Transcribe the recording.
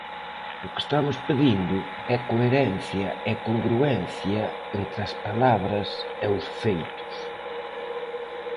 O que estamos pedindo é coherencia e congruencia entre as palabras e os feitos.